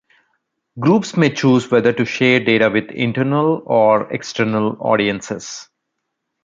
Groups may choose whether to share data with internal or external audiences.